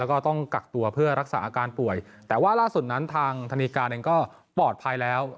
แล้วก็ต้องกักตัวเพื่อรักษาอาการป่วยแต่ว่าล่าสุดนั้นทางธนีการเองก็ปลอดภัยแล้ว